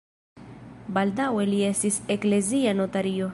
Baldaŭe li estis eklezia notario.